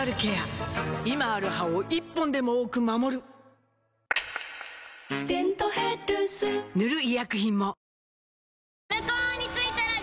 今ある歯を１本でも多く守る「デントヘルス」塗る医薬品も